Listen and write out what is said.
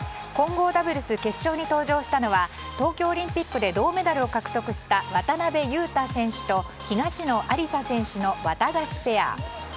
混合ダブルス決勝に登場したのは東京オリンピックで銅メダルを獲得した渡辺勇大選手と東野有紗選手のワタガシペア。